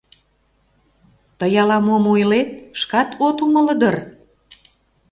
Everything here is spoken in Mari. — Тый ала-мом ойлет, шкат от умыло дыр...